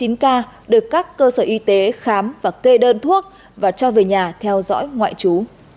nhà được các cơ sở y tế khám và thuê đơn thuốc và cho về nhà theo dõi ngoại trú